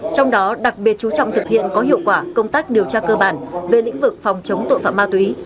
trong đó đặc biệt chú trọng thực hiện có hiệu quả công tác điều tra cơ bản về lĩnh vực phòng chống tội phạm ma túy